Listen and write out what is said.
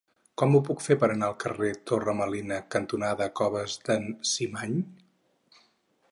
Com ho puc fer per anar al carrer Torre Melina cantonada Coves d'en Cimany?